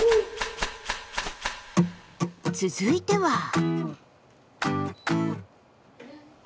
続いては。